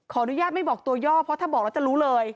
อนุญาตไม่บอกตัวย่อเพราะถ้าบอกแล้วจะรู้เลย